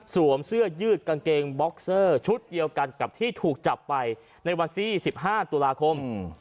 เสื้อยืดกางเกงบ็อกเซอร์ชุดเดียวกันกับที่ถูกจับไปในวันที่๑๕ตุลาคม